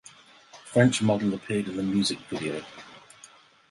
French model appeared in the music video.